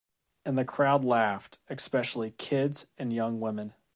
And the crowd laughed, especially kids and young women.